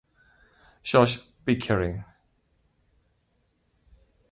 Josh Pickering